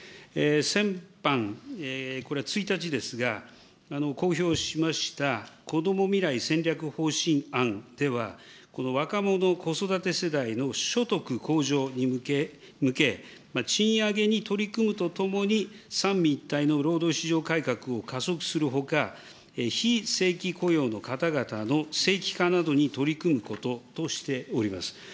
先般、これは１日ですが、公表しました、こども未来戦略方針案では、若者、子育て世代の所得向上に向け、賃上げに取り組むとともに、三位一体の労働市場改革を加速するほか、非正規雇用の方々の正規化などに取り組むこととしております。